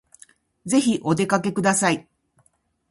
ぜひお出かけください